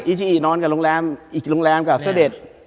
อีชิอีนอนกับโรงแรมอีกโรงแรมกับเสื้อเด็ด